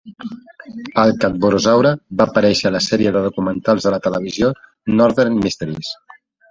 El cadborosaure va aparèixer a la sèrie de documentals de televisió 'Northern Mysteries'.